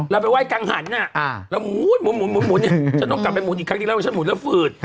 จะต้องกลับไปหมุนอีกครั้งที่แล้วแล้วฉันหมุนแล้วฝืด